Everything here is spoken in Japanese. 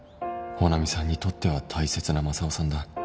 帆奈美さんにとっては大切なマサオさんだ